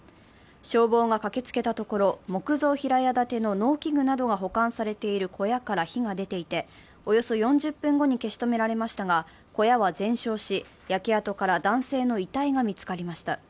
消防が駆けつけたところ木造平屋建ての農機具などが保管されている小屋から火が出ていておよそ４０分後に消し止められましたが、小屋は全焼し、焼け跡から男性の遺体が見つかりました。